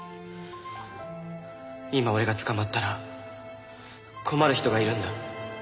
今俺が捕まったら困る人がいるんだ。